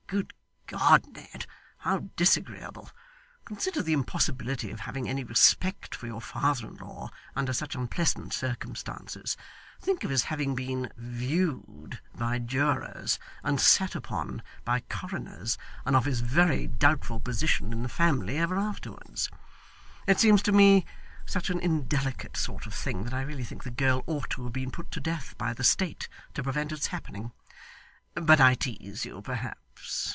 Good God, Ned, how disagreeable! Consider the impossibility of having any respect for your father in law under such unpleasant circumstances think of his having been "viewed" by jurors, and "sat upon" by coroners, and of his very doubtful position in the family ever afterwards. It seems to me such an indelicate sort of thing that I really think the girl ought to have been put to death by the state to prevent its happening. But I tease you perhaps.